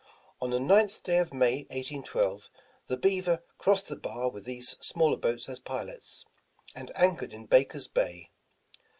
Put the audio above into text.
On the 9th day of May, 1812, the Beaver crossed the bar with these smaller boats as pilots, and anchored in Baker's Bay.